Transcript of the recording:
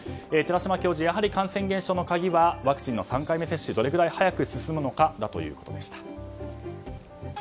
寺嶋教授、感染減少の鍵はワクチンの３回目接種がどれぐらい早く進むのかということでした。